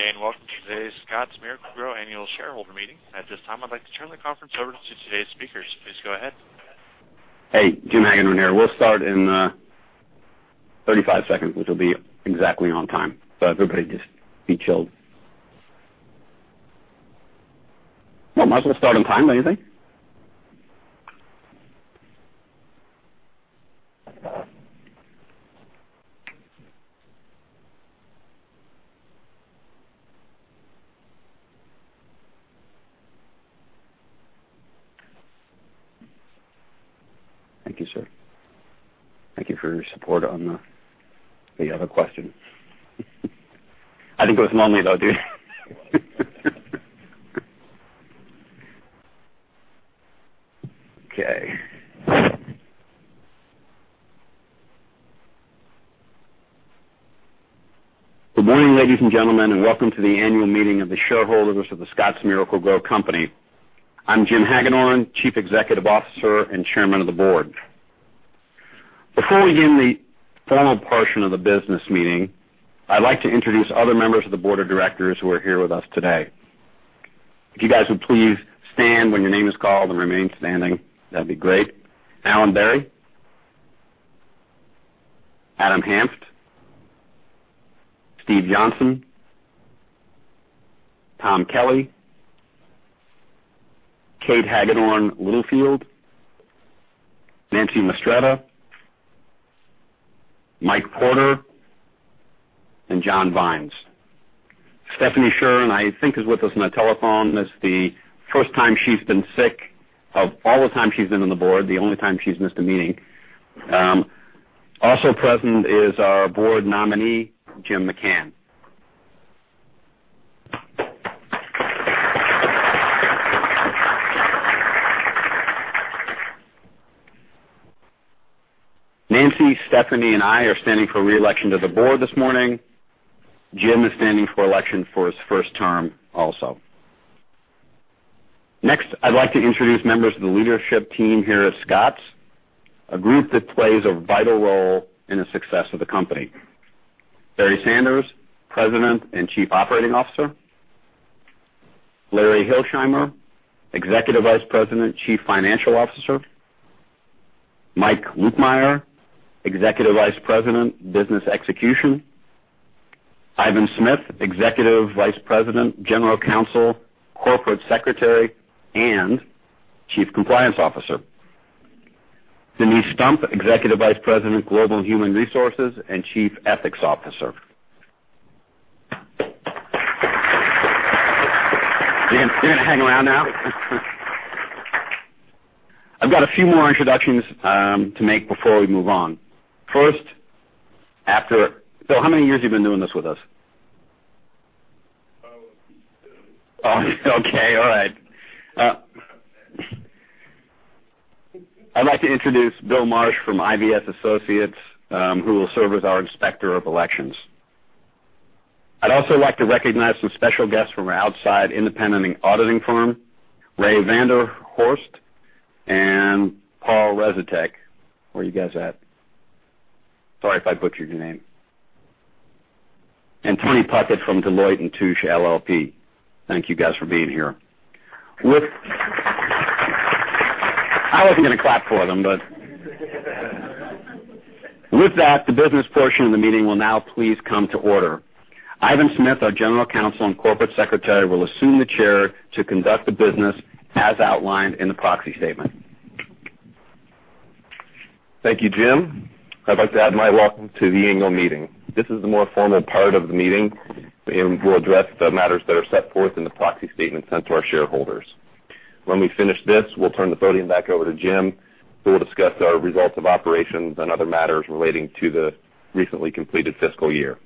Good day. Welcome to today's Scotts Miracle-Gro Annual Shareholder Meeting. At this time, I'd like to turn the conference over to today's speakers. Please go ahead. Hey, Jim Hagedorn here. We'll start in 35 seconds, which will be exactly on time. Everybody just be chilled. Well, might as well start on time, don't you think? Thank you, sir. Thank you for your support on the other question. I think it was lonely though, dude. Okay. Good morning, ladies and gentlemen. Welcome to the annual meeting of the shareholders of The Scotts Miracle-Gro Company. I'm Jim Hagedorn, Chief Executive Officer and Chairman of the Board. Before we begin the formal portion of the business meeting, I'd like to introduce other members of the Board of Directors who are here with us today. If you guys would please stand when your name is called and remain standing, that'd be great. Allen Berry. Adam Hanft. Steve Johnson. Tom Kelly. Kate Hagedorn Littlefield. Nancy Mistretta. Mike Porter and John Vines. Stephanie Shern, I think, is with us on a telephone. That's the first time she's been sick of all the time she's been on the Board, the only time she's missed a meeting. Also present is our Board nominee, Jim McCann. Nancy, Stephanie, and I are standing for re-election to the Board this morning. Jim is standing for election for his first term also. Next, I'd like to introduce members of the leadership team here at Scotts, a group that plays a vital role in the success of the company. Barry Sanders, President and Chief Operating Officer. Larry Hilsheimer, Executive Vice President, Chief Financial Officer. Mike Lutkemeyer, Executive Vice President, Business Execution. Ivan Smith, Executive Vice President, General Counsel, Corporate Secretary, and Chief Compliance Officer. Denise Stump, Executive Vice President, Global Human Resources, and Chief Ethics Officer. You're going to hang around now? I've got a few more introductions to make before we move on. First, after Bill, how many years you've been doing this with us? Oh, two. Oh, okay. All right. I'd like to introduce Bill Marsh from IVS Associates, who will serve as our Inspector of Elections. I'd also like to recognize some special guests from our outside independent auditing firm, Ray Vander Horst and Paul Rezek. Where you guys at? Sorry if I butchered your name. Tony Puckett from Deloitte & Touche LLP. Thank you guys for being here. I wasn't going to clap for them, but. With that, the business portion of the meeting will now please come to order. Ivan Smith, our General Counsel and Corporate Secretary, will assume the chair to conduct the business as outlined in the proxy statement. Thank you, Jim. I'd like to add my welcome to the annual meeting. This is the more formal part of the meeting, and we'll address the matters that are set forth in the proxy statement sent to our shareholders. When we finish this, we'll turn the podium back over to Jim, who will discuss our results of operations and other matters relating to the recently completed fiscal year.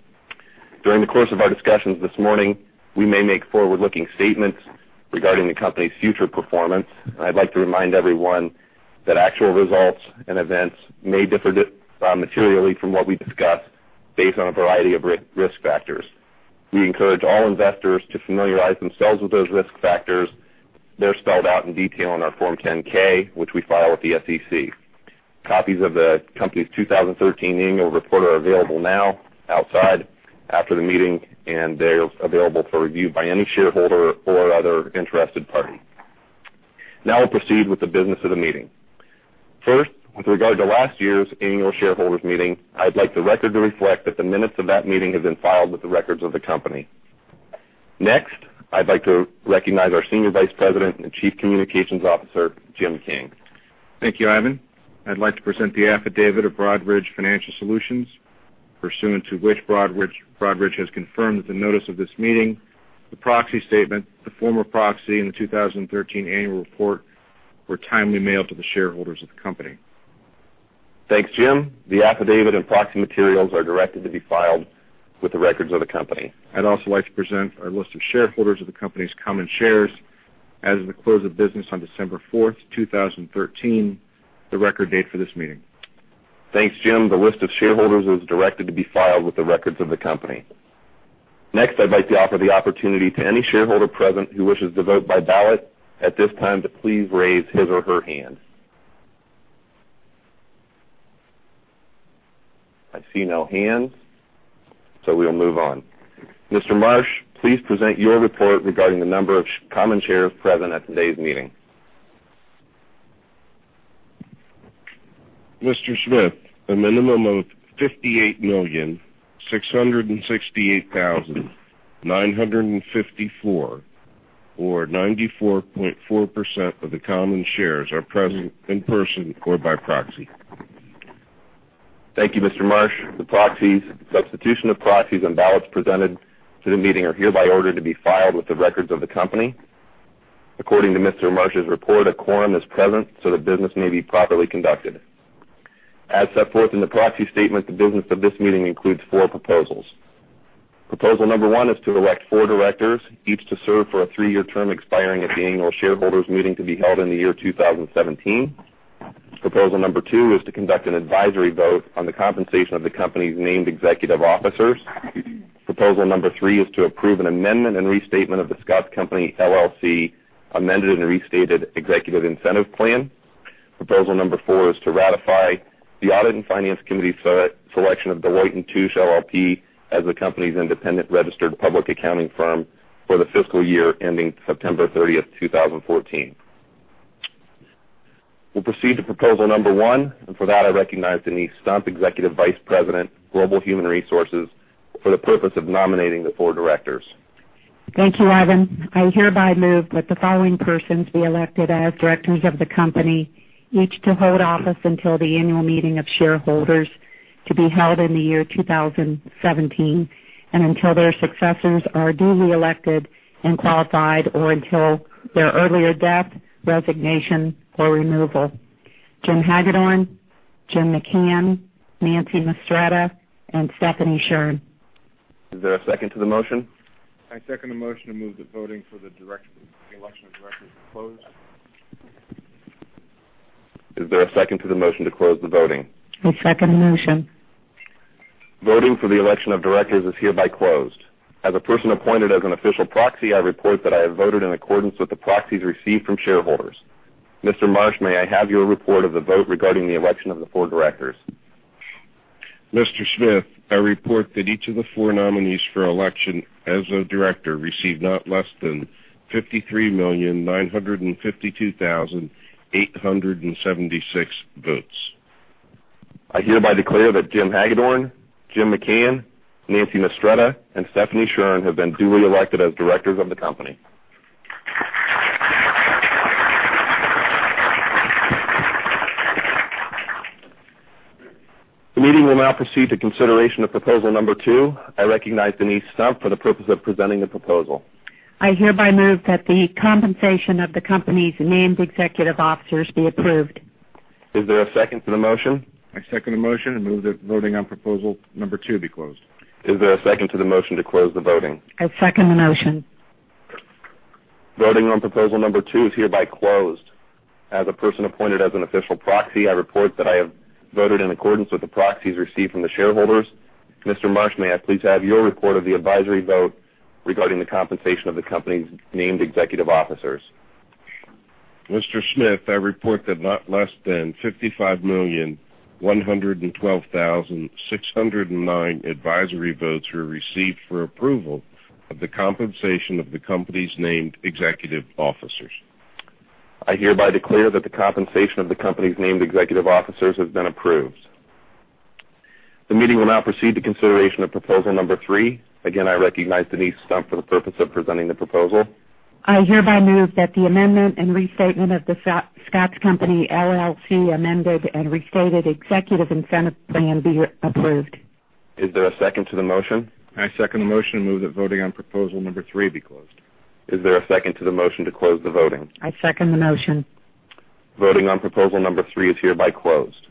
During the course of our discussions this morning, we may make forward-looking statements regarding the company's future performance. I'd like to remind everyone that actual results and events may differ materially from what we discuss based on a variety of risk factors. We encourage all investors to familiarize themselves with those risk factors. They're spelled out in detail in our Form 10-K, which we file with the SEC. Copies of the company's 2013 Annual Report are available now, outside, after the meeting, and they're available for review by any shareholder or other interested party. Now we'll proceed with the business of the meeting. First, with regard to last year's Annual Shareholders Meeting, I'd like the record to reflect that the minutes of that meeting have been filed with the records of the company. Next, I'd like to recognize our Senior Vice President and Chief Communications Officer, Jim King. Thank you, Ivan. I'd like to present the affidavit of Broadridge Financial Solutions, pursuant to which Broadridge has confirmed that the notice of this meeting, the proxy statement, the former proxy, and the 2013 Annual Report were timely mailed to the shareholders of the company. Thanks, Jim. The affidavit and proxy materials are directed to be filed with the records of the company. I'd also like to present our list of shareholders of the company's common shares as of the close of business on December 4th, 2013, the record date for this meeting. Thanks, Jim. The list of shareholders was directed to be filed with the records of the company. Next, I'd like to offer the opportunity to any shareholder present who wishes to vote by ballot at this time to please raise his or her hand. I see no hands. We'll move on. Mr. Marsh, please present your report regarding the number of common shares present at today's meeting. Mr. Smith, a minimum of 58,668,954, or 94.4% of the common shares are present in person or by proxy. Thank you, Mr. Marsh. The proxies, substitution of proxies, and ballots presented to the meeting are hereby ordered to be filed with the records of the company. According to Mr. Marsh's report, a quorum is present. The business may be properly conducted. As set forth in the proxy statement, the business of this meeting includes four proposals. Proposal number one is to elect four directors, each to serve for a three-year term expiring at the annual shareholders' meeting to be held in the year 2017. Proposal number two is to conduct an advisory vote on the compensation of the company's named executive officers. Proposal number three is to approve an amendment and restatement of The Scotts Company LLC Amended and Restated Executive Incentive Plan. Proposal number four is to ratify the Audit and Finance Committee's selection of Deloitte & Touche LLP as the company's independent registered public accounting firm for the fiscal year ending September 30th, 2014. We'll proceed to proposal number one. For that, I recognize Denise Stump, Executive Vice President, Global Human Resources, for the purpose of nominating the four directors. Thank you, Ivan. I hereby move that the following persons be elected as directors of the company, each to hold office until the annual meeting of shareholders to be held in the year 2017 and until their successors are duly elected and qualified or until their earlier death, resignation, or removal. Jim Hagedorn, Jim McCann, Nancy Mistretta, and Stephanie Shern. Is there a second to the motion? I second the motion to move the voting for the election of directors be closed. Is there a second to the motion to close the voting? I second the motion. Voting for the election of directors is hereby closed. As a person appointed as an official proxy, I report that I have voted in accordance with the proxies received from shareholders. Mr. Marsh, may I have your report of the vote regarding the election of the four directors? Mr. Smith, I report that each of the four nominees for election as a director received not less than 53,952,876 votes. I hereby declare that Jim Hagedorn, Jim McCann, Nancy Mistretta, and Stephanie Shern have been duly elected as directors of the company. The meeting will now proceed to consideration of proposal number two. I recognize Denise Stump for the purpose of presenting the proposal. I hereby move that the compensation of the company's named executive officers be approved. Is there a second to the motion? I second the motion and move that voting on proposal number 2 be closed. Is there a second to the motion to close the voting? I second the motion. Voting on proposal number two is hereby closed. As a person appointed as an official proxy, I report that I have voted in accordance with the proxies received from the shareholders. Mr. Marsh, may I please have your report of the advisory vote regarding the compensation of the company's named executive officers? Mr. Smith, I report that not less than 55,112,609 advisory votes were received for approval of the compensation of the company's named executive officers. I hereby declare that the compensation of the company's named executive officers has been approved. The meeting will now proceed to consideration of proposal number three. Again, I recognize Denise Stump for the purpose of presenting the proposal. I hereby move that the amendment and restatement of The Scotts Company LLC amended and restated executive incentive plan be approved. Is there a second to the motion? I second the motion and move that voting on proposal number three be closed. Is there a second to the motion to close the voting? I second the motion. Voting on proposal number three is hereby closed.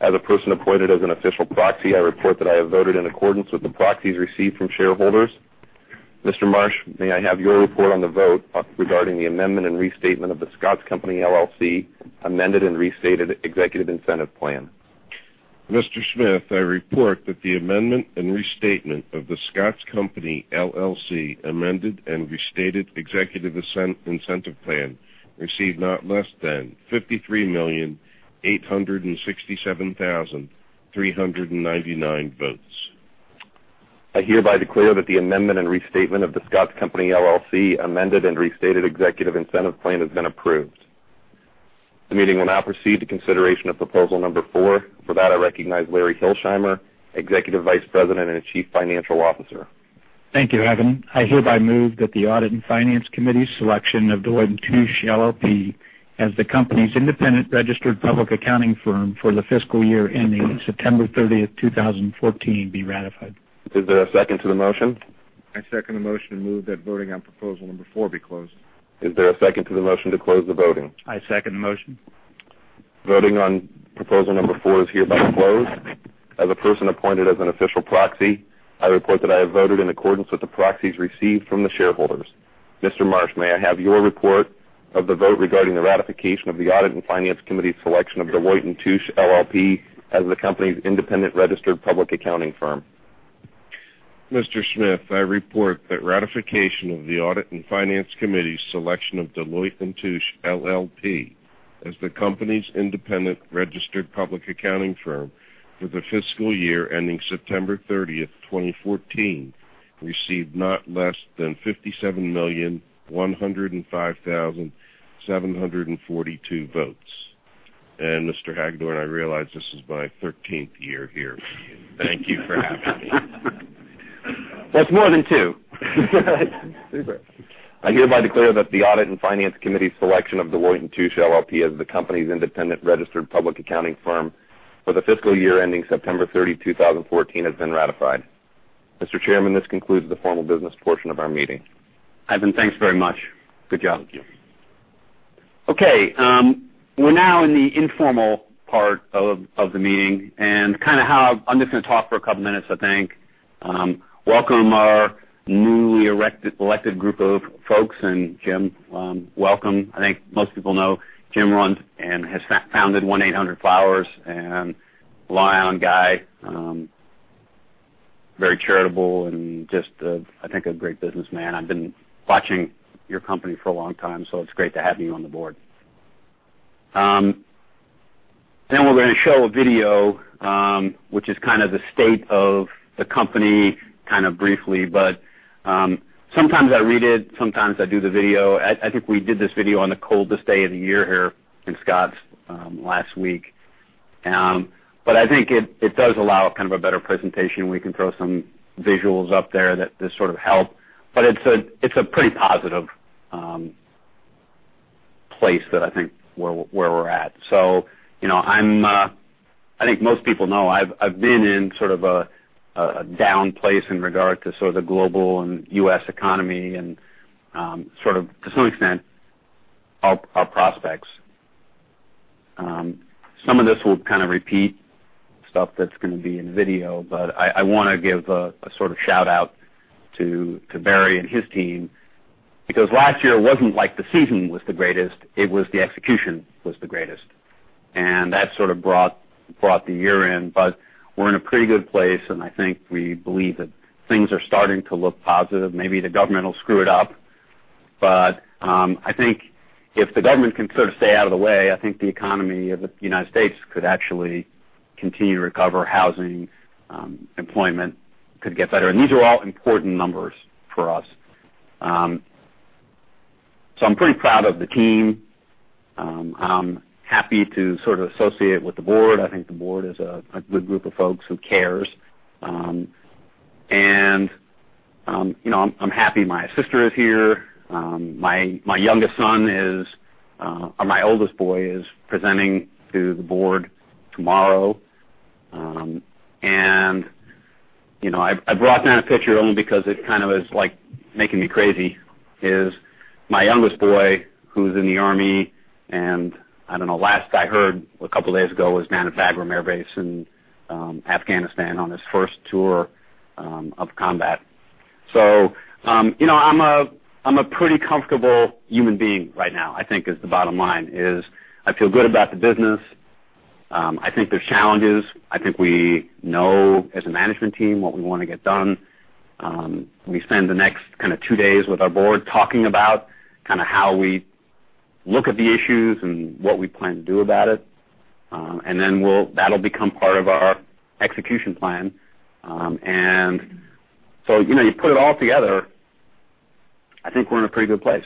As a person appointed as an official proxy, I report that I have voted in accordance with the proxies received from shareholders. Mr. Marsh, may I have your report on the vote regarding the amendment and restatement of The Scotts Company LLC amended and restated executive incentive plan? Mr. Smith, I report that the amendment and restatement of The Scotts Company LLC amended and restated executive incentive plan received not less than 53,867,399 votes. I hereby declare that the amendment and restatement of The Scotts Company LLC amended and restated executive incentive plan has been approved. The meeting will now proceed to consideration of proposal number four. For that, I recognize Lawrence Hilsheimer, Executive Vice President and Chief Financial Officer. Thank you, Evan. I hereby move that the Audit and Finance Committee's selection of Deloitte & Touche LLP as the company's independent registered public accounting firm for the fiscal year ending September 30, 2014, be ratified. Is there a second to the motion? I second the motion and move that voting on proposal number 4 be closed. Is there a second to the motion to close the voting? I second the motion. Voting on proposal number four is hereby closed. As a person appointed as an official proxy, I report that I have voted in accordance with the proxies received from the shareholders. Mr. Marsh, may I have your report of the vote regarding the ratification of the Audit and Finance Committee's selection of Deloitte & Touche LLP as the company's independent registered public accounting firm? Mr. Smith, I report that ratification of the Audit and Finance Committee's selection of Deloitte & Touche LLP as the company's independent registered public accounting firm for the fiscal year ending September 30th, 2014, received not less than 57,105,742 votes. Mr. Hagedorn, I realize this is my 13th year here. Thank you for having me. That's more than two. Super. I hereby declare that the Audit and Finance Committee selection of Deloitte & Touche LLP as the company's independent registered public accounting firm for the fiscal year ending September 30, 2014, has been ratified. Mr. Chairman, this concludes the formal business portion of our meeting. Ivan, thanks very much. Good job. Thank you. We're now in the informal part of the meeting, I'm just going to talk for a couple of minutes, I think. Welcome our newly elected group of folks, Jim, welcome. I think most people know Jim runs and has founded 1-800-Flowers, and a lion guy. Very charitable and just, I think, a great businessman. I've been watching your company for a long time, so it's great to have you on the board. We're going to show a video, which is kind of the state of the company briefly. Sometimes I read it, sometimes I do the video. I think we did this video on the coldest day of the year here in Scotts last week. I think it does allow kind of a better presentation. We can throw some visuals up there that sort of help. It's a pretty positive place that I think where we're at. I think most people know I've been in sort of a down place in regard to sort of the global and U.S. economy and sort of, to some extent, our prospects. Some of this will kind of repeat stuff that's going to be in the video, I want to give a sort of shout-out to Barry and his team, because last year it wasn't like the season was the greatest, it was the execution was the greatest. That sort of brought the year in. We're in a pretty good place, I think we believe that things are starting to look positive. Maybe the government will screw it up. I think if the government can sort of stay out of the way, I think the economy of the United States could actually continue to recover. Housing, employment could get better. These are all important numbers for us. I'm pretty proud of the team. I'm happy to sort of associate with the board. I think the board is a good group of folks who cares. I'm happy my sister is here. My youngest son is, or my oldest boy is presenting to the board tomorrow. I brought down a picture only because it kind of is making me crazy, is my youngest boy who's in the army, and I don't know, last I heard a couple of days ago was Bagram Air Base in Afghanistan on his first tour of combat. I'm a pretty comfortable human being right now, I think is the bottom line, is I feel good about the business. I think there's challenges. I think we know as a management team what we want to get done. We spend the next two days with our board talking about how we look at the issues and what we plan to do about it. That'll become part of our execution plan. You put it all together, I think we're in a pretty good place,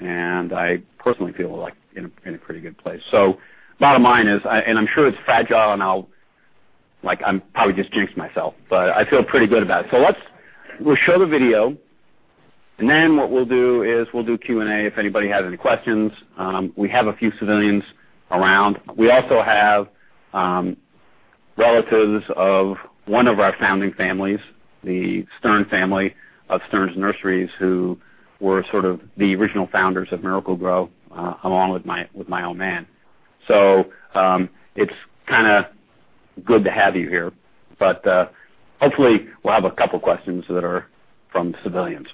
and I personally feel like in a pretty good place. Bottom line is, and I'm sure it's fragile, and I'll probably just jinx myself, but I feel pretty good about it. We'll show the video, and then what we'll do is we'll do Q&A if anybody has any questions. We have a few civilians around. We also have relatives of one of our founding families, the Stern family of Stern's Nurseries, who were sort of the original founders of Miracle-Gro along with my own man. It's kind of good to have you here. Hopefully we'll have a couple of questions that are from civilians.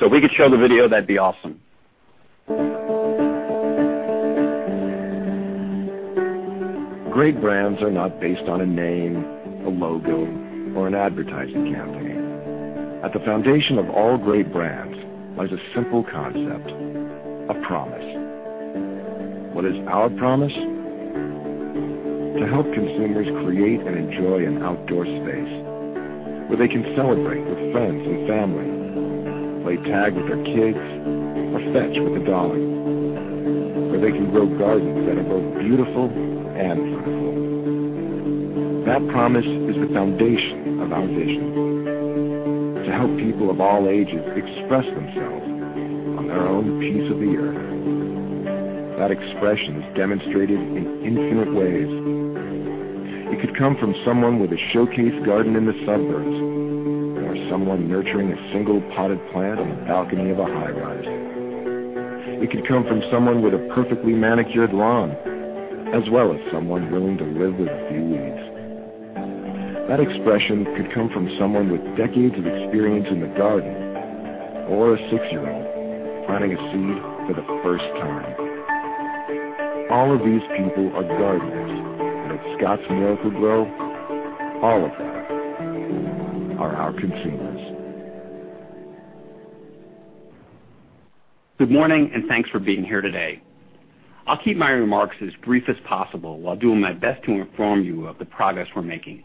If we could show the video, that'd be awesome. Great brands are not based on a name, a logo, or an advertising campaign. At the foundation of all great brands lies a simple concept, a promise. What is our promise? To help consumers create and enjoy an outdoor space where they can celebrate with friends and family, play tag with their kids or fetch with the dog, where they can grow gardens that are both beautiful and fruitful. That promise is the foundation of our vision to help people of all ages express themselves on their own piece of the earth. That expression is demonstrated in infinite ways. It could come from someone with a showcase garden in the suburbs or someone nurturing a single potted plant on the balcony of a high rise. It could come from someone with a perfectly manicured lawn, as well as someone willing to live with a few weeds. That expression could come from someone with decades of experience in the garden or a six-year-old planting a seed for the first time. All of these people are gardeners. At Scotts Miracle-Gro, all of them are our consumers. Good morning, thanks for being here today. I'll keep my remarks as brief as possible while doing my best to inform you of the progress we're making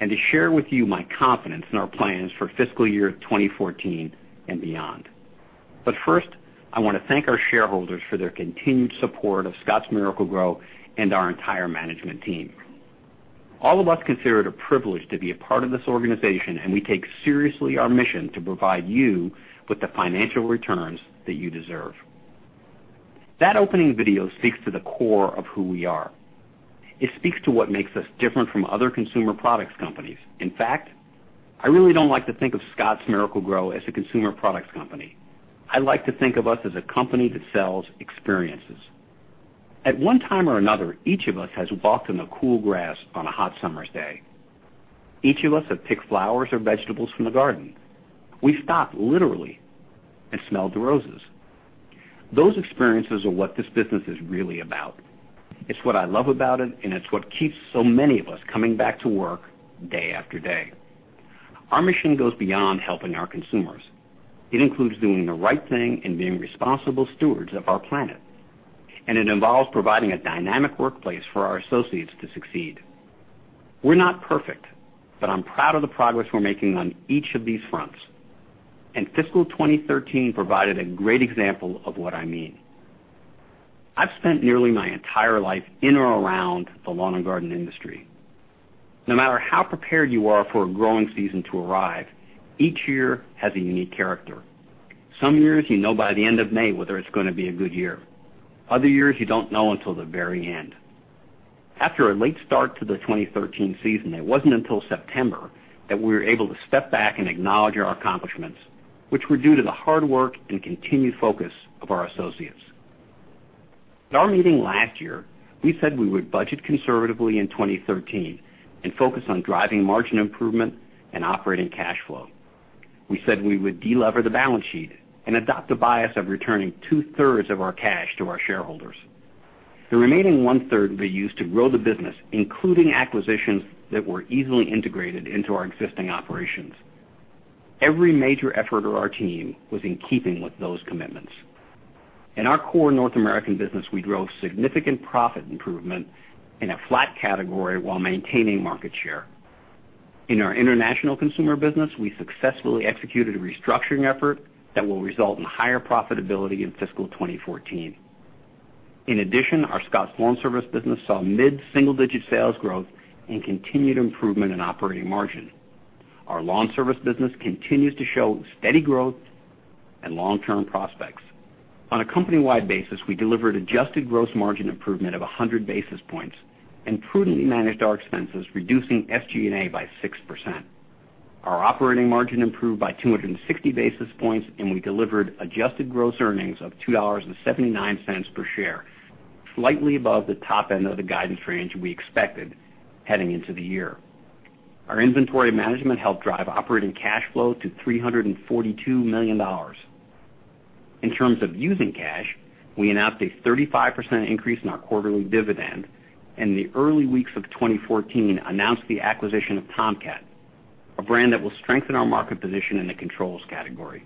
and to share with you my confidence in our plans for fiscal year 2014 and beyond. First, I want to thank our shareholders for their continued support of Scotts Miracle-Gro and our entire management team. All of us consider it a privilege to be a part of this organization, and we take seriously our mission to provide you with the financial returns that you deserve. That opening video speaks to the core of who we are. It speaks to what makes us different from other consumer products companies. In fact, I really don't like to think of Scotts Miracle-Gro as a consumer products company. I like to think of us as a company that sells experiences. At one time or another, each of us has walked in the cool grass on a hot summer's day. Each of us have picked flowers or vegetables from the garden. We've stopped, literally, and smelled the roses. Those experiences are what this business is really about. It's what I love about it, and it's what keeps so many of us coming back to work day after day. Our mission goes beyond helping our consumers. It includes doing the right thing and being responsible stewards of our planet. It involves providing a dynamic workplace for our associates to succeed. We're not perfect, but I'm proud of the progress we're making on each of these fronts. Fiscal 2013 provided a great example of what I mean. I've spent nearly my entire life in or around the lawn and garden industry. No matter how prepared you are for a growing season to arrive, each year has a unique character. Some years, you know by the end of May whether it's going to be a good year. Other years, you don't know until the very end. After a late start to the 2013 season, it wasn't until September that we were able to step back and acknowledge our accomplishments, which were due to the hard work and continued focus of our associates. At our meeting last year, we said we would budget conservatively in 2013 and focus on driving margin improvement and operating cash flow. We said we would de-lever the balance sheet and adopt a bias of returning two-thirds of our cash to our shareholders. The remaining one-third will be used to grow the business, including acquisitions that were easily integrated into our existing operations. Every major effort of our team was in keeping with those commitments. In our core North American business, we drove significant profit improvement in a flat category while maintaining market share. In our international consumer business, we successfully executed a restructuring effort that will result in higher profitability in FY 2014. In addition, our Scotts LawnService business saw mid-single-digit sales growth and continued improvement in operating margin. Our Lawn Service business continues to show steady growth and long-term prospects. On a company-wide basis, we delivered adjusted gross margin improvement of 100 basis points and prudently managed our expenses, reducing SG&A by 6%. Our operating margin improved by 260 basis points, and we delivered adjusted gross earnings of $2.79 per share, slightly above the top end of the guidance range we expected heading into the year. Our inventory management helped drive operating cash flow to $342 million. In terms of using cash, we announced a 35% increase in our quarterly dividend, and in the early weeks of 2014, announced the acquisition of Tomcat, a brand that will strengthen our market position in the controls category.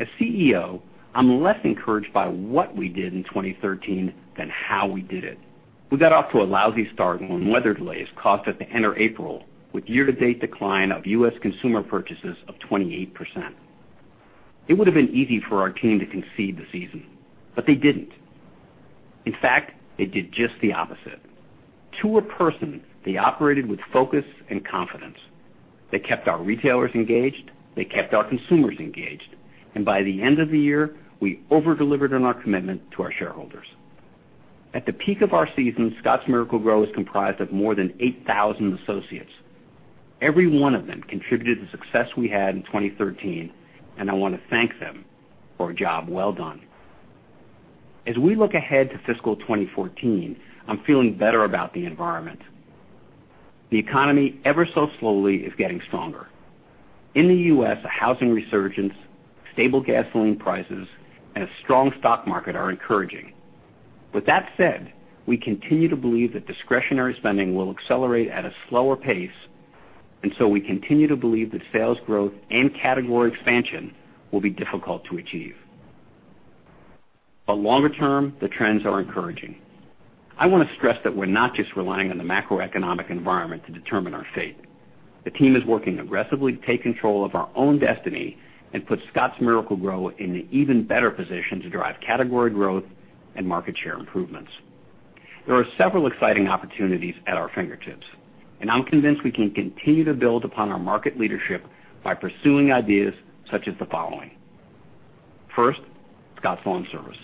As CEO, I'm less encouraged by what we did in 2013 than how we did it. We got off to a lousy start when weather delays caused us to enter April with year-to-date decline of U.S. consumer purchases of 28%. It would have been easy for our team to concede the season, but they didn't. In fact, they did just the opposite. To a person, they operated with focus and confidence. They kept our retailers engaged, they kept our consumers engaged. By the end of the year, we over-delivered on our commitment to our shareholders. At the peak of our season, The Scotts Miracle-Gro Company is comprised of more than 8,000 associates. Every one of them contributed to success we had in 2013. I want to thank them for a job well done. As we look ahead to FY 2014, I'm feeling better about the environment. The economy ever so slowly is getting stronger. In the U.S., a housing resurgence, stable gasoline prices, and a strong stock market are encouraging. With that said, we continue to believe that discretionary spending will accelerate at a slower pace. We continue to believe that sales growth and category expansion will be difficult to achieve. Longer term, the trends are encouraging. I want to stress that we're not just relying on the macroeconomic environment to determine our fate. The team is working aggressively to take control of our own destiny and put The Scotts Miracle-Gro Company in an even better position to drive category growth and market share improvements. There are several exciting opportunities at our fingertips. I'm convinced we can continue to build upon our market leadership by pursuing ideas such as the following. First, Scotts LawnService.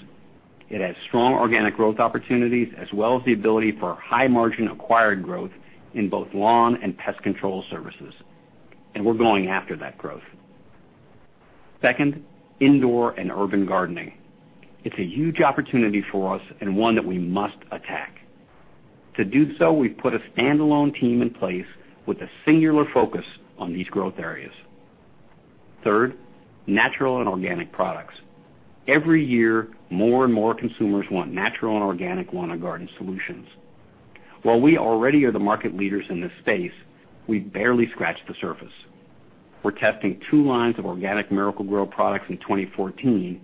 It has strong organic growth opportunities as well as the ability for high margin acquired growth in both lawn and pest control services. We're going after that growth. Second, indoor and urban gardening. It's a huge opportunity for us and one that we must attack. To do so, we've put a standalone team in place with a singular focus on these growth areas. Third, natural and organic products. Every year, more and more consumers want natural and organic lawn and garden solutions. While we already are the market leaders in this space, we've barely scratched the surface. We're testing two lines of organic Miracle-Gro products in 2014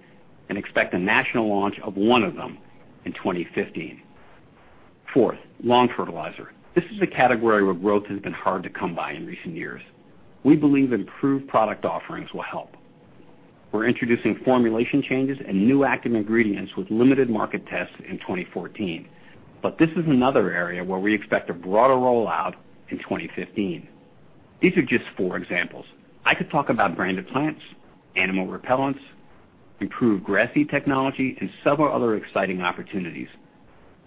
and expect a national launch of one of them in 2015. Fourth, lawn fertilizer. This is a category where growth has been hard to come by in recent years. We believe improved product offerings will help. We're introducing formulation changes and new active ingredients with limited market tests in 2014. This is another area where we expect a broader rollout in 2015. These are just four examples. I could talk about branded plants, animal repellents, improved grass seed technology, and several other exciting opportunities.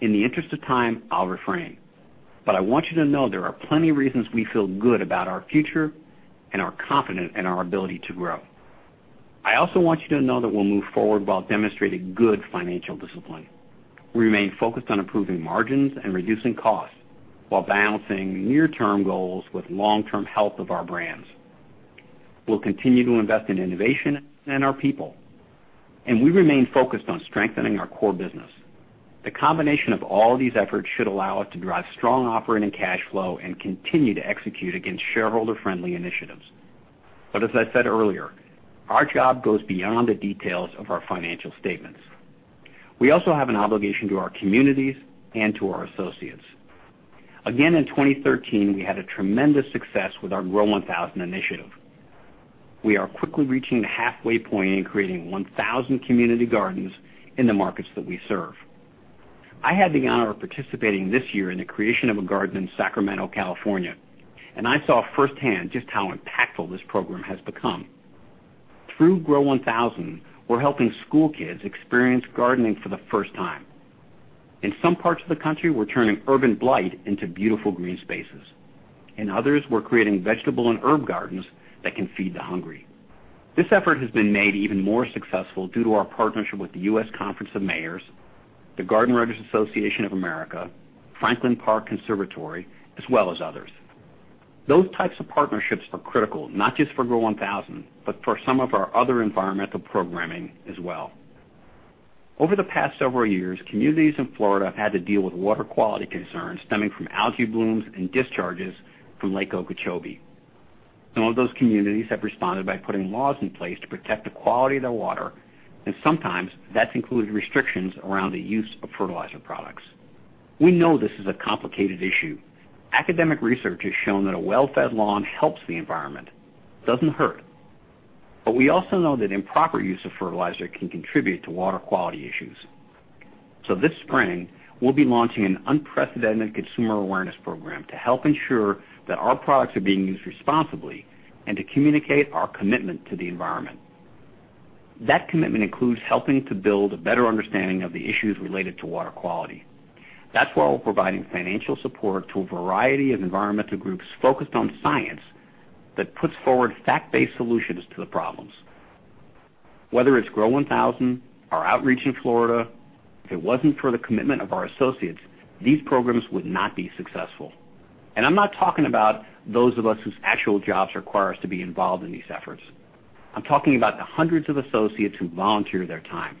In the interest of time, I'll refrain. I want you to know there are plenty of reasons we feel good about our future and are confident in our ability to grow. I also want you to know that we'll move forward while demonstrating good financial discipline. We remain focused on improving margins and reducing costs while balancing near-term goals with long-term health of our brands. We'll continue to invest in innovation and our people. We remain focused on strengthening our core business. The combination of all these efforts should allow us to drive strong operating cash flow and continue to execute against shareholder-friendly initiatives. As I said earlier, our job goes beyond the details of our financial statements. We also have an obligation to our communities and to our associates. Again, in 2013, we had a tremendous success with our GRO1000 initiative. We are quickly reaching the halfway point in creating 1,000 community gardens in the markets that we serve. I had the honor of participating this year in the creation of a garden in Sacramento, California, and I saw firsthand just how impactful this program has become. Through GRO1000, we're helping school kids experience gardening for the first time. In some parts of the country, we're turning urban blight into beautiful green spaces. In others, we're creating vegetable and herb gardens that can feed the hungry. This effort has been made even more successful due to our partnership with The United States Conference of Mayors, the Garden Writers Association of America, Franklin Park Conservatory and Botanical Gardens, as well as others. Those types of partnerships are critical, not just for GRO1000, but for some of our other environmental programming as well. Over the past several years, communities in Florida have had to deal with water quality concerns stemming from algae blooms and discharges from Lake Okeechobee. Some of those communities have responded by putting laws in place to protect the quality of their water. Sometimes that's included restrictions around the use of fertilizer products. We know this is a complicated issue. Academic research has shown that a well-fed lawn helps the environment, doesn't hurt it. We also know that improper use of fertilizer can contribute to water quality issues. This spring, we'll be launching an unprecedented consumer awareness program to help ensure that our products are being used responsibly and to communicate our commitment to the environment. That commitment includes helping to build a better understanding of the issues related to water quality. That's why we're providing financial support to a variety of environmental groups focused on science that puts forward fact-based solutions to the problems. Whether it's GRO1000, our outreach in Florida, if it wasn't for the commitment of our associates, these programs would not be successful. I'm not talking about those of us whose actual jobs require us to be involved in these efforts. I'm talking about the hundreds of associates who volunteer their time.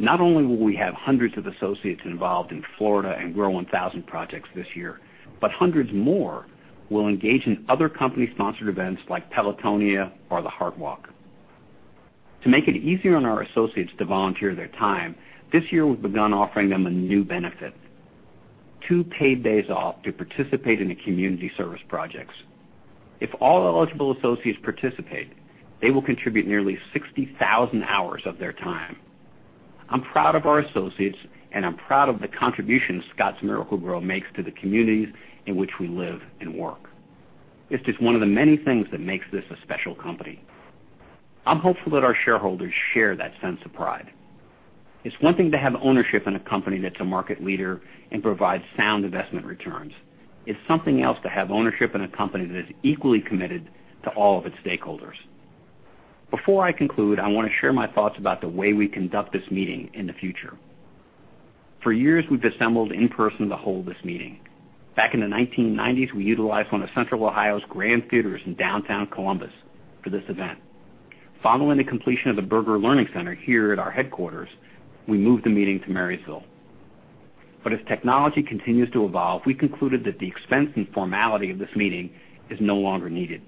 Not only will we have hundreds of associates involved in Florida and GRO1000 projects this year, but hundreds more will engage in other company-sponsored events like Pelotonia or the Heart Walk. To make it easier on our associates to volunteer their time, this year we've begun offering them a new benefit, two paid days off to participate in the community service projects. If all eligible associates participate, they will contribute nearly 60,000 hours of their time. I'm proud of our associates, and I'm proud of the contribution Scotts Miracle-Gro makes to the communities in which we live and work. It's just one of the many things that makes this a special company. I'm hopeful that our shareholders share that sense of pride. It's one thing to have ownership in a company that's a market leader and provides sound investment returns. It's something else to have ownership in a company that is equally committed to all of its stakeholders. Before I conclude, I want to share my thoughts about the way we conduct this meeting in the future. For years, we've assembled in person to hold this meeting. Back in the 1990s, we utilized one of Central Ohio's grand theaters in downtown Columbus for this event. Following the completion of the Berger Learning Center here at our headquarters, we moved the meeting to Marysville. As technology continues to evolve, we concluded that the expense and formality of this meeting is no longer needed.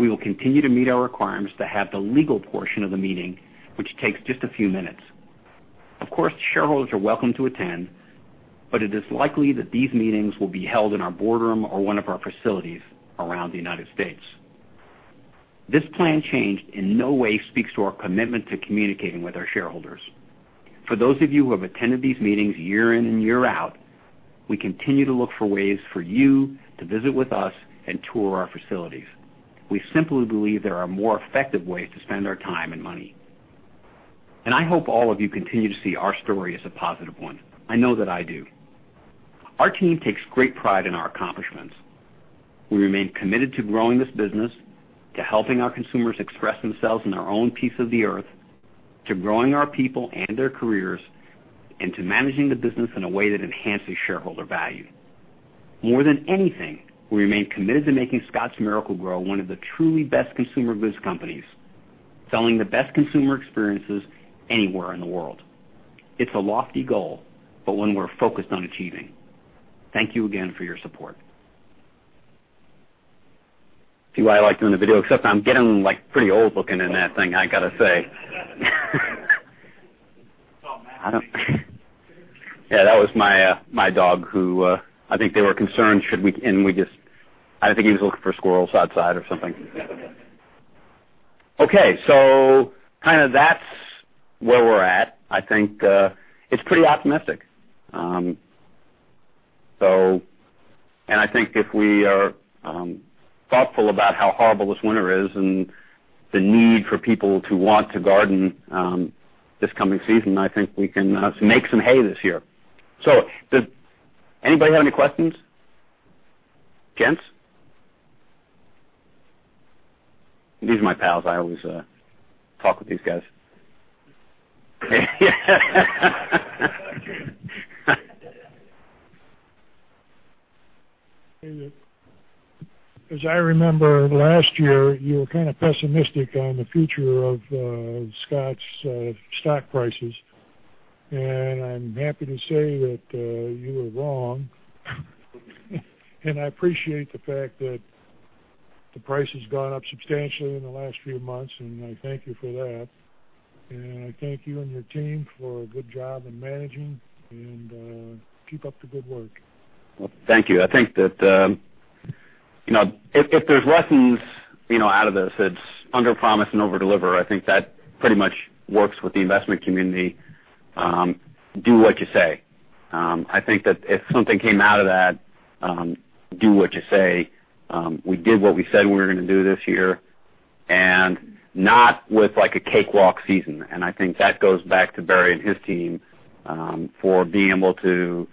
We will continue to meet our requirements to have the legal portion of the meeting, which takes just a few minutes. Of course, shareholders are welcome to attend, but it is likely that these meetings will be held in our boardroom or one of our facilities around the U.S. This plan change in no way speaks to our commitment to communicating with our shareholders. For those of you who have attended these meetings year in and year out, we continue to look for ways for you to visit with us and tour our facilities. We simply believe there are more effective ways to spend our time and money. I hope all of you continue to see our story as a positive one. I know that I do. Our team takes great pride in our accomplishments. We remain committed to growing this business, to helping our consumers express themselves in their own piece of the Earth, to growing our people and their careers, and to managing the business in a way that enhances shareholder value. More than anything, we remain committed to making Scotts Miracle-Gro one of the truly best consumer goods companies, selling the best consumer experiences anywhere in the world. It's a lofty goal, but one we're focused on achieving. Thank you again for your support. See why I like doing the video, except I'm getting pretty old-looking in that thing, I got to say. It's all math. Yeah, that was my dog who I think they were concerned. I think he was looking for squirrels outside or something. Okay. That's where we're at. I think it's pretty optimistic. I think if we are thoughtful about how horrible this winter is and the need for people to want to garden this coming season, I think we can make some hay this year. Does anybody have any questions? Gents? These are my pals. I always talk with these guys. As I remember last year, you were kind of pessimistic on the future of Scotts' stock prices, I'm happy to say that you were wrong. I appreciate the fact that the price has gone up substantially in the last few months, I thank you for that. I thank you and your team for a good job in managing, Keep up the good work. Well, thank you. I think that if there's lessons out of this, it's underpromise and overdeliver. I think that pretty much works with the investment community. Do what you say. I think that if something came out of that, do what you say. We did what we said we were going to do this year, and not with a cakewalk season. I think that goes back to Barry and his team for being able to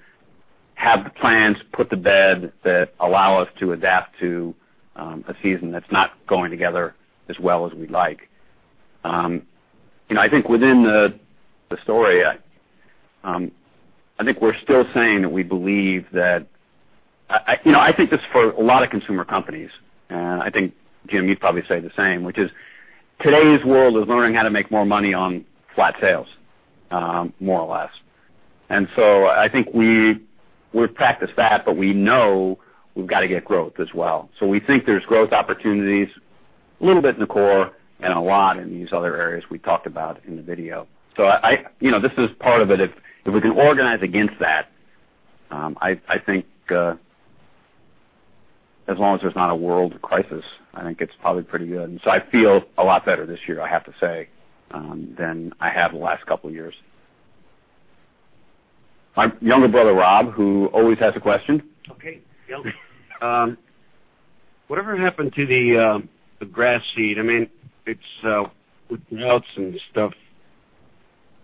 have the plans, put the bed that allow us to adapt to a season that's not going together as well as we'd like. I think within the story, I think we're still saying that we believe that I think this for a lot of consumer companies, I think, Jim, you'd probably say the same, which is today's world is learning how to make more money on flat sales, more or less. I think we've practiced that, but we know we've got to get growth as well. We think there's growth opportunities a little bit in the core and a lot in these other areas we talked about in the video. This is part of it. If we can organize against that, I think as long as there's not a world crisis, I think it's probably pretty good. I feel a lot better this year, I have to say, than I have the last couple of years. My younger brother, Rob, who always has a question. Okay. Whatever happened to the grass seed? With the droughts and stuff,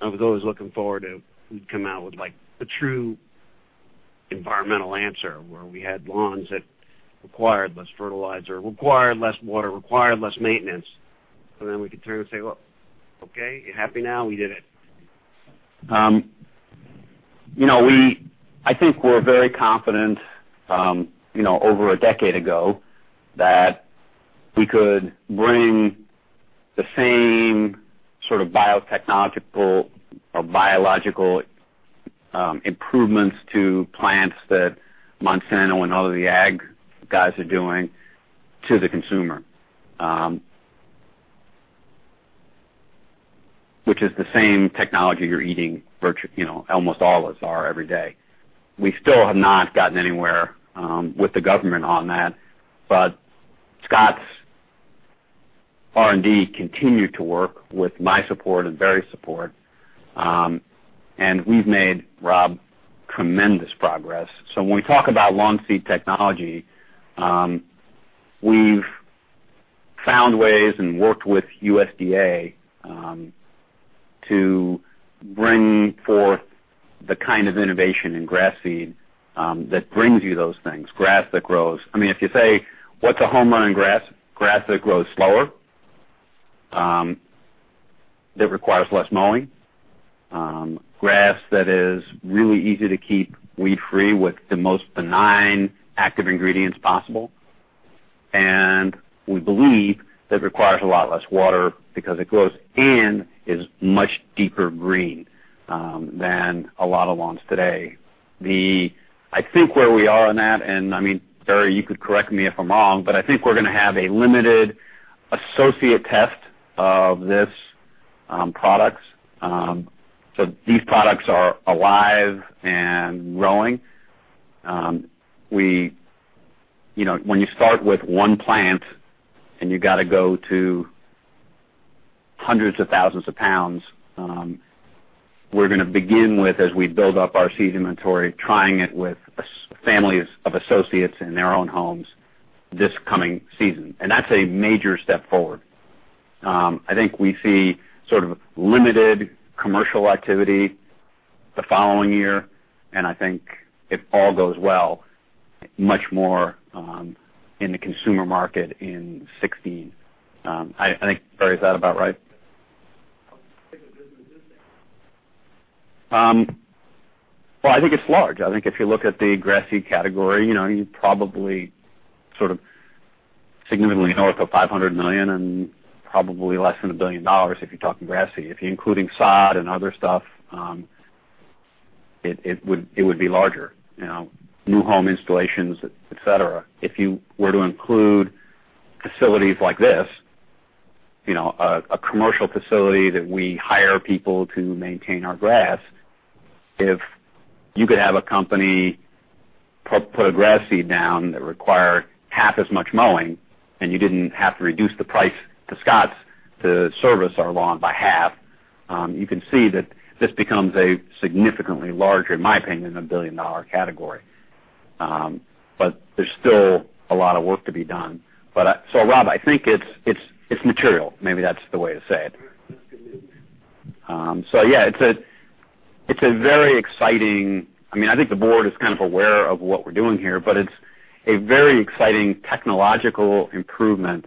I was always looking forward to we'd come out with a true environmental answer where we had lawns that required less fertilizer, required less water, required less maintenance. We could turn and say, "Well, okay, you happy now? We did it. I think we're very confident over a decade ago that we could bring the same sort of biotechnological or biological improvements to plants that Monsanto and all of the ag guys are doing to the consumer which is the same technology you're eating virtually, almost all of us are every day. We still have not gotten anywhere with the government on that. Scotts' R&D continued to work with my support and Barry's support. We've made, Rob, tremendous progress. When we talk about lawn seed technology, we've found ways and worked with USDA to bring forth the kind of innovation in grass seed that brings you those things. Grass that grows. If you say, what's a home run grass? Grass that grows slower, that requires less mowing. Grass that is really easy to keep weed-free with the most benign active ingredients possible. We believe that requires a lot less water because it grows and is much deeper green than a lot of lawns today. I think where we are on that, and Barry, you could correct me if I'm wrong, I think we're going to have a limited associate test of these products. These products are alive and growing. When you start with one plant and you got to go to hundreds of thousands of pounds, we're going to begin with, as we build up our seed inventory, trying it with families of associates in their own homes this coming season. That's a major step forward. I think we see sort of limited commercial activity the following year, I think it all goes well, much more in the consumer market in 2016. I think, Barry, is that about right? I think it's large. I think if you look at the grass seed category, you're probably significantly north of $500 million and probably less than $1 billion if you're talking grass seed. If you're including sod and other stuff, it would be larger. New home installations, et cetera. If you were to include facilities like this, a commercial facility that we hire people to maintain our grass. If you could have a company put a grass seed down that required half as much mowing, and you didn't have to reduce the price to Scotts to service our lawn by half, you can see that this becomes a significantly larger, in my opinion, a billion-dollar category. There's still a lot of work to be done. Rob, I think it's material. Maybe that's the way to say it. Yeah, it's a very exciting. I think the board is kind of aware of what we're doing here, it's a very exciting technological improvement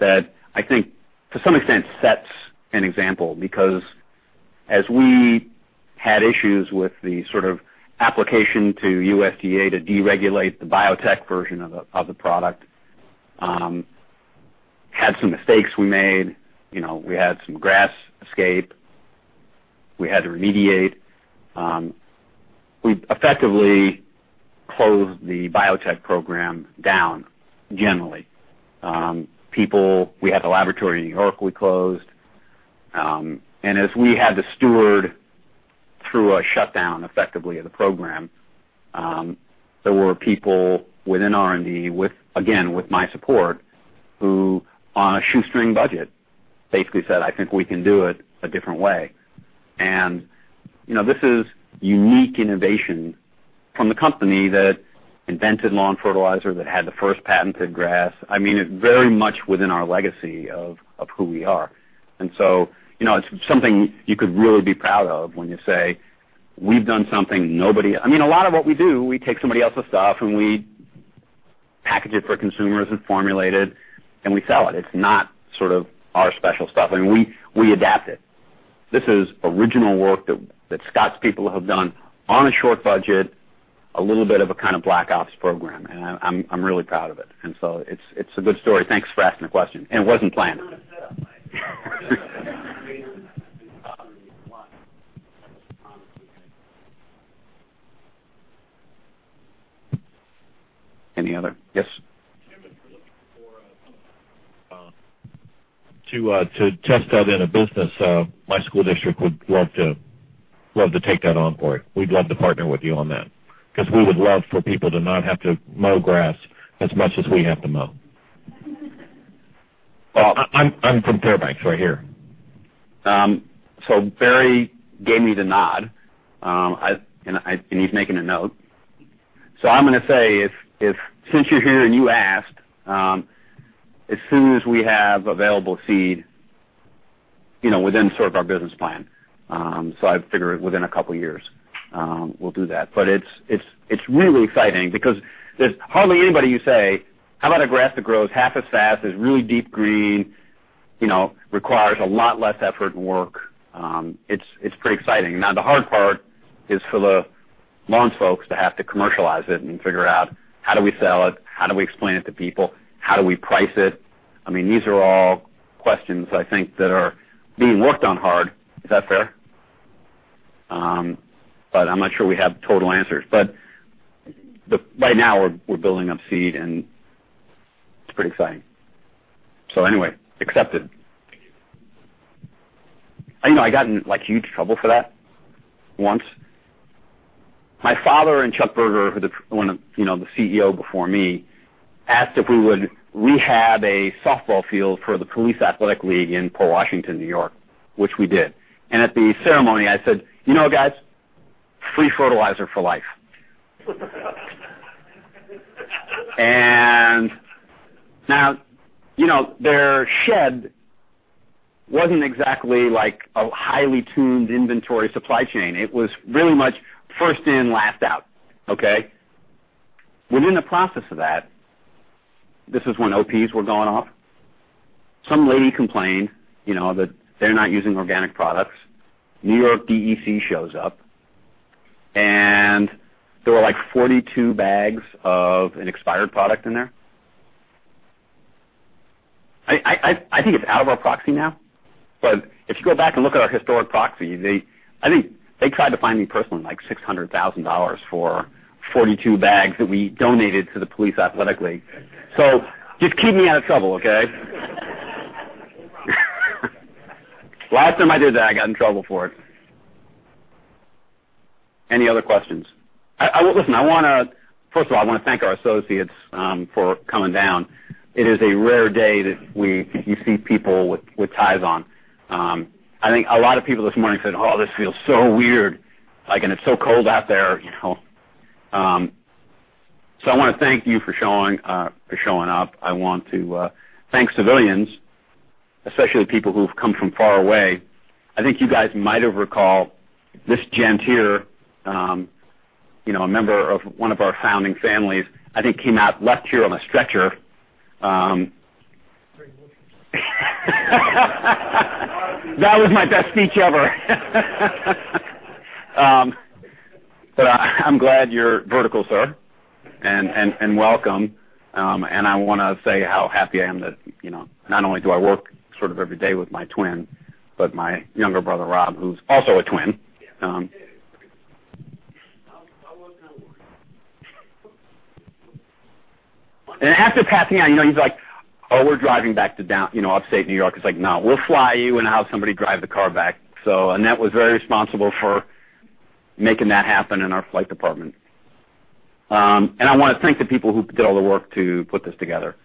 that I think, to some extent, sets an example because as we had issues with the sort of application to USDA to deregulate the biotech version of the product, had some mistakes we made. We had some grass escape. We had to remediate. We effectively closed the biotech program down, generally. We had the laboratory in New York we closed, as we had to steward through a shutdown, effectively of the program, there were people within R&D, again, with my support, who on a shoestring budget basically said, "I think we can do it a different way." This is unique innovation from the company that invented lawn fertilizer, that had the first patented grass. It's very much within our legacy of who we are. It's something you could really be proud of when you say, "We've done something nobody." A lot of what we do, we take somebody else's stuff, and we package it for consumers and formulate it, and we sell it. It's not our special stuff. We adapt it. This is original work that Scotts people have done on a short budget, a little bit of a kind of black ops program, I'm really proud of it's a good story. Thanks for asking the question. It wasn't planned. It was kind of a set-up. Any other? Yes. Jim, if you're looking for to test that in a business, my school district would love to take that on for you. We'd love to partner with you on that because we would love for people to not have to mow grass as much as we have to mow. I'm from Fairbanks right here. Barry gave me the nod, and he's making a note. I'm going to say since you're here and you asked, as soon as we have available seed within sort of our business plan. I figure within a couple of years, we'll do that. It's really exciting because there's hardly anybody you say, "How about a grass that grows half as fast, is really deep green, requires a lot less effort and work." It's pretty exciting. Now, the hard part is for the lawns folks to have to commercialize it and figure out how do we sell it, how do we explain it to people, how do we price it? These are all questions I think that are being worked on hard. Is that fair? I'm not sure we have total answers. Right now we're building up seed, and it's pretty exciting. Anyway, accepted. Thank you. I got in huge trouble for that once. My father and Chuck Berger, the CEO before me, asked if we would rehab a softball field for the Police Athletic League in Port Washington, N.Y., which we did. At the ceremony, I said, "You know what, guys? Free fertilizer for life." Their shed wasn't exactly like a highly tuned inventory supply chain. It was really much first in, last out, okay? Within the process of that, this is when Ops were going off. Some lady complained that they're not using organic products. New York DEC shows up, and there were like 42 bags of an expired product in there. I think it's out of our proxy now, but if you go back and look at our historic proxy, I think they tried to fine me personally like $600,000 for 42 bags that we donated to the Police Athletic League. Just keep me out of trouble, okay? Last time I did that, I got in trouble for it. Any other questions? Listen, first of all, I want to thank our associates for coming down. It is a rare day that you see people with ties on. I think a lot of people this morning said, "Oh, this feels so weird." Like, it's so cold out there. I want to thank you for showing up. I want to thank civilians, especially people who've come from far away. I think you guys might have recalled this gent here, a member of one of our founding families, I think came out last year on a stretcher. Great motions. That was my best speech ever. I'm glad you're vertical, sir, and welcome. I want to say how happy I am that not only do I work sort of every day with my twin, but my younger brother Rob, who's also a twin. Yeah. I was kind of worried. After passing out, he's like, "Oh, we're driving back to Upstate New York." It's like, "No, we'll fly you and have somebody drive the car back." Annette was very responsible for making that happen in our flight department. I want to thank the people who did all the work to put this together.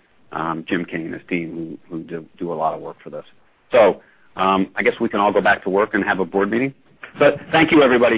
Jim King and his team who do a lot of work for this. I guess we can all go back to work and have a board meeting. Thank you, everybody.